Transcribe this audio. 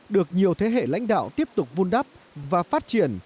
được nhiều thế hệ lãnh đạo tiếp tục vun đắp và phát triển